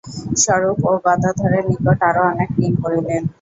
স্বরূপ ও গদাধরের নিকট আরো অনেক ঋণ করিলেন।